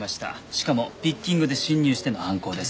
しかもピッキングで侵入しての犯行です。